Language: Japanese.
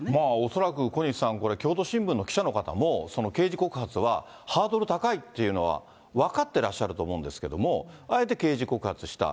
恐らく、小西さん、京都新聞の記者の方も、刑事告発はハードル高いっていうのは分かってらっしゃると思うんですけれども、あえて刑事告発した。